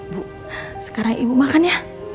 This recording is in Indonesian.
bu sekarang ibu makan ya